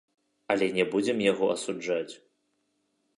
Але не будзем яго асуджаць.